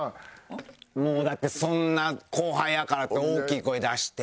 もうだってそんな後輩やからって大きい声出して。